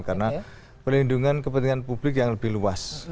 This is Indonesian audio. karena perlindungan kepentingan publik yang lebih luas